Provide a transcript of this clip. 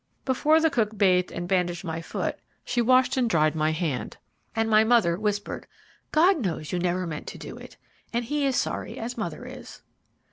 Before the cook bathed and bandaged my foot, she washed and dried my hand; and my mother whispered, "God knows you never meant to do it, and He is sorry as mother is."